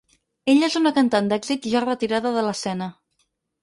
Ella és una cantant d’èxit ja retirada de l’escena.